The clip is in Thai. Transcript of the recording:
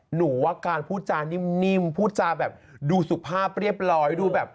หนูว่าการพูดจานิ่มพูดจาแบบดูสุภาพเรียบร้อยดูแบบ